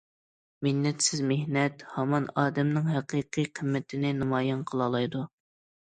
مىننەتسىز مېھنەت ھامان ئادەمنىڭ ھەقىقىي قىممىتىنى نامايان قىلالايدۇ.